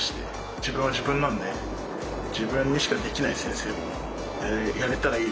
自分は自分なんで自分にしかできない先生をやれたらいいなと思ってます。